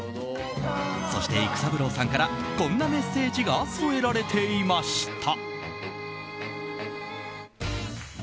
そして、育三郎さんからこんなメッセージが添えられていました。